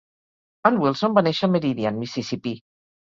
En Wilson va néixer a Meridian, Mississippi.